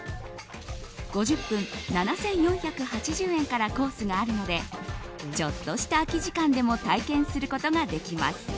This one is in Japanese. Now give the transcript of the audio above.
５０分７４８０円からコースがあるのでちょっとした空き時間でも体験することができます。